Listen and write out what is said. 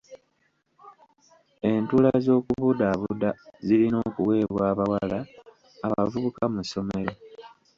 Entuula z'okubudaabuda zirina okuweebwa abawala abavubuka mu ssomero.